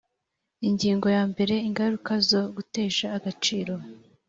ingingo ya mbere ingaruka zo gutesha agaciro